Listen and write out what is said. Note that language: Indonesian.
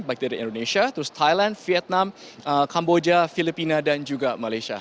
baik dari indonesia terus thailand vietnam kamboja filipina dan juga malaysia